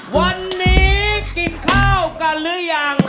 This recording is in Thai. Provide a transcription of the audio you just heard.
หือ